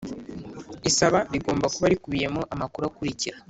Isaba rigomba kuba rikubiyemo amakuru akurikira